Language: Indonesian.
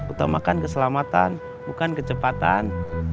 utamakan keselamatan bukan kecepatan